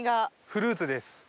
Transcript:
フルーツです。